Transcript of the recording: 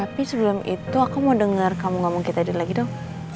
tapi sebelum itu aku mau dengar kamu ngomong ke tadi lagi dong